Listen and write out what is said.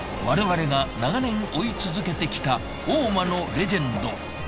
我々が長年追い続けてきた大間のレジェンド。